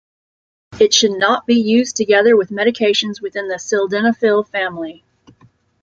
It should not be used together with medications within the sildenafil family.